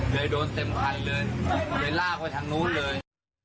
เลยโดนเต็มคันเลยเลยลากไปทางนู้นเลย